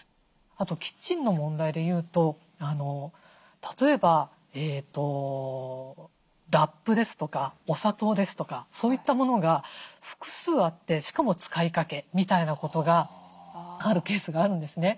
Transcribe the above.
あとキッチンの問題でいうと例えばラップですとかお砂糖ですとかそういったものが複数あってしかも使いかけみたいなことがあるケースがあるんですね。